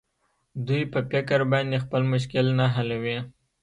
دوى په فکر باندې خپل مشکل نه حلوي.